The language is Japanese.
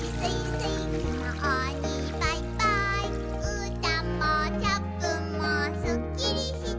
「うーたんもチャップンもスッキリして」